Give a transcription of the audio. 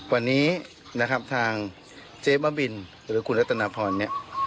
วันนี้นะครับทางเจ๊บ้าบินหรือคุณรัตนพรเนี่ย